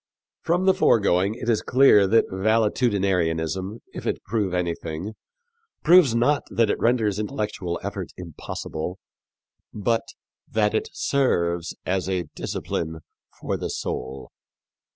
From the foregoing it is clear that valetudinarianism, if it prove anything, proves not that it renders intellectual effort impossible, but that it serves as a discipline for the soul.